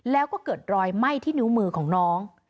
แล้วก็เกิดรอยไหม้ที่นิ้วมือของน้อง